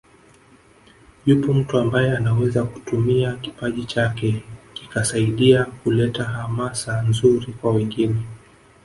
Yupo mtu ambaye anaweza kutumia kipaji chake kikasaidia kuleta hamasa nzuri kwa wengine